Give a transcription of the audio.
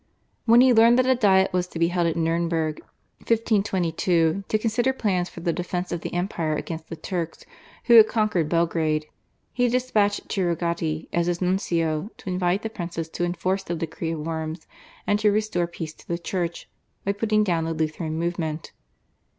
When he learned that a Diet was to be held at Nurnberg (1522) to consider plans for the defence of the Empire against the Turks who had conquered Belgrade, he despatched Chieregati as his nuncio to invite the princes to enforce the decree of Worms, and to restore peace to the Church by putting down the Lutheran movement.